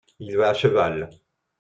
Il va à cheval.